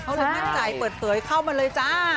เขาเริ่มง่ายเปิดเผยเข้ามาเลยจ้า